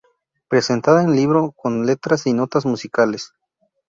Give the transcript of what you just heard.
Presentada en el libro con letras y notas musicales.